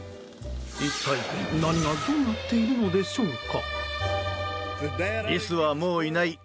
一体、何がどうなっているのでしょうか。